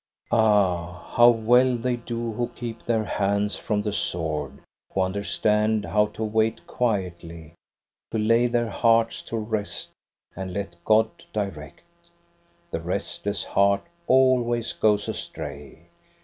Ah, how well they do who keep their hands from the sword, who understand how to wait quietly, to lay their hearts to rest and let God direct! The restless heart always goes astray.